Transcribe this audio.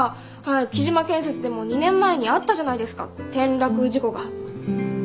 喜嶋建設でも２年前にあったじゃないですか転落事故が。